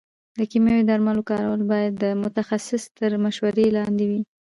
د کيمياوي درملو کارول باید د متخصص تر مشورې لاندې وي.